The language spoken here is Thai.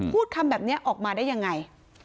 พูดคำแบบนี้ออกมาได้ยังไง